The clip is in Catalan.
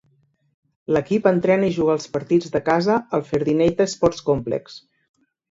L'equip entrena i juga els partits de casa al Ferdi Neita Sports Complex.